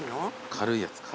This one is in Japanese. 軽いやつか。